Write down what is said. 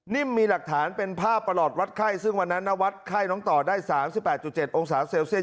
มีหลักฐานเป็นภาพประหลอดวัดไข้ซึ่งวันนั้นนวัดไข้น้องต่อได้๓๘๗องศาเซลเซียส